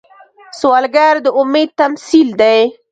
سوالګر د امید تمثیل دی